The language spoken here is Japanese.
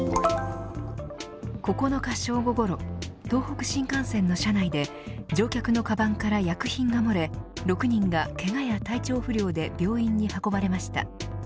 ９日、正午ごろ東北新幹線の車内で乗客のかばんから薬品が漏れ６人がけがや体調不良で病院に運ばれました。